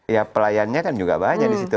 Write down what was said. ya pelayannya kan juga banyak disitu